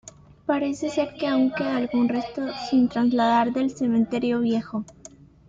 Parece ser que aún queda algún resto sin trasladar del cementerio viejo.